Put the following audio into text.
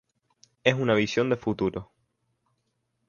Es una visión de futuro.